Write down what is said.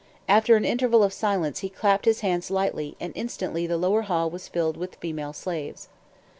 After an interval of silence he clapped his hands lightly, and instantly the lower hall was filled with female slaves.